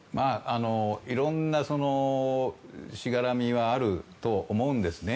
いろんなしがらみはあると思うんですね。